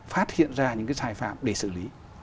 phát hiện ra những sai phạm để xử lý